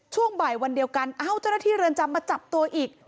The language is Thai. ช่วงบ่ายวันเดียวกันเอ้าเจ้าหน้าที่เรือนจำมาจับตัวอีก